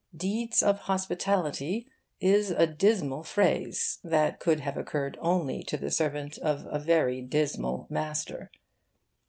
'Deeds of hospitality' is a dismal phrase that could have occurred only to the servant of a very dismal master.